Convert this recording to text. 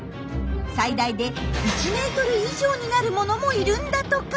最大で１ｍ以上になるものもいるんだとか。